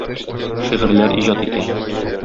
Шигырьләр иҗат итә.